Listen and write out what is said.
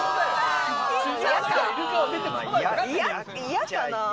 嫌かなぁ？